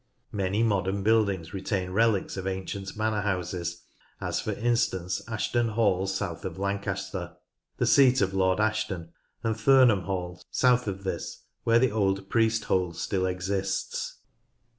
Many modern buildings retain relics of ancient manor houses, as for instance Ashton Hall, south of Lancaster, 140 NORTH LANCASHIRE the seat of Lord Ashton, and Thurnham Hall, south of this, where the old priest hole still exists.